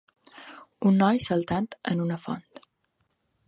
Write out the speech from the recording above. Un noi saltant en una font.